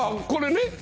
これね。